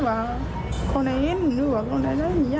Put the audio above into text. พอเข้าคุยกันพรุ้งนี้นะ